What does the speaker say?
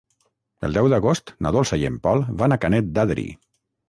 El deu d'agost na Dolça i en Pol van a Canet d'Adri.